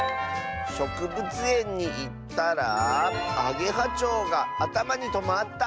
「しょくぶつえんにいったらあげはちょうがあたまにとまった！」。